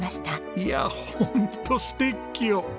いやホントスティッキオ！